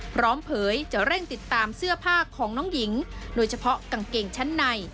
เผยจะเร่งติดตามเสื้อผ้าของน้องหญิงโดยเฉพาะกางเกงชั้นใน